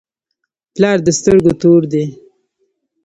پلار د سترګو تور دی.